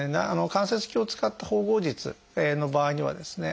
関節鏡を使った縫合術の場合にはですね